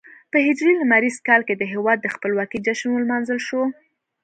په هجري لمریز کال کې د هېواد د خپلواکۍ جشن ولمانځل شو.